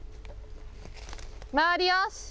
周りよし。